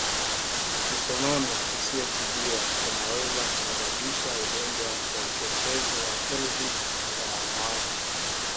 Kisonono isiyotibiwa inaweza kusababisha ugonjwa wa uchochezi wa Pelvic kwa wanawake